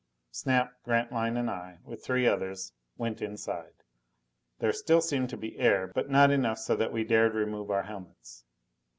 Snap, Grantline and I, with three others, went inside. There still seemed to be air, but not enough so that we dared remove our helmets.